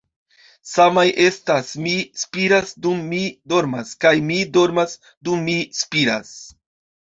Samaj estas 'Mi spiras dum mi dormas' kaj 'Mi dormas dum mi spiras.'"